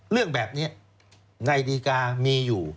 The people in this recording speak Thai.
เรื่องแบบนี้ในดีกามีอยู่